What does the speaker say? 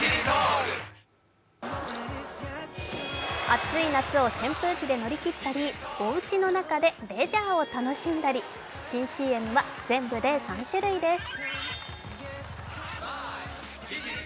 暑い夏を扇風機で乗り切ったりおうちの中でレジャーを楽しんだり新ＣＭは全部で３種類です。